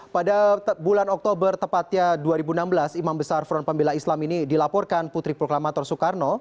pada bulan oktober tepatnya dua ribu enam belas imam besar front pembela islam ini dilaporkan putri proklamator soekarno